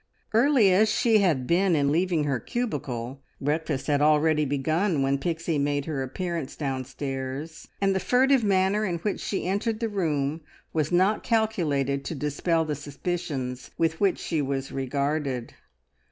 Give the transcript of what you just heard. Early as she had been in leaving her cubicle, breakfast had already begun when Pixie made her appearance downstairs, and the furtive manner in which she entered the room, was not calculated to dispel the suspicions, with which she was regarded.